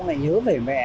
ngày nhớ về mẹ